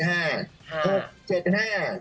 ทุก๗เป็น๕